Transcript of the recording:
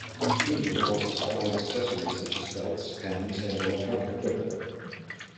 Tumi also supplies accessories such as belts, pens, and electronic equipment.